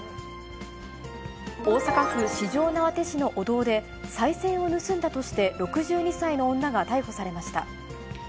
大阪府四条畷市のお堂で、さい銭を盗んだとして６２歳の女が逮捕されました。